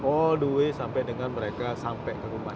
all the way sampai dengan mereka sampai ke rumah